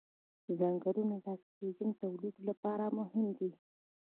ځنګلونه د اکسیجن تولیدولو لپاره مهم دي